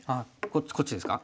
こっちですか？